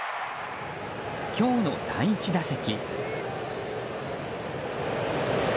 今日の第１打席。